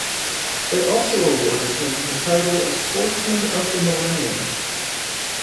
They also awarded him the title of Sportsman of the Millennium.